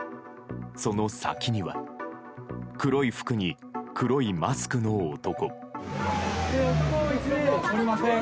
その先には黒い服に黒いマスクの男。